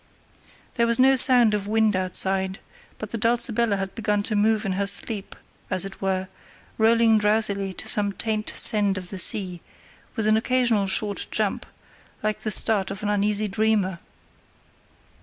There was no sound of wind outside, but the Dulcibella had begun to move in her sleep, as it were, rolling drowsily to some faint send of the sea, with an occasional short jump, like the start of an uneasy dreamer.